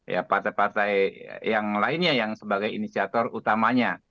ya partai partai yang lainnya yang sebagai inisiator utamanya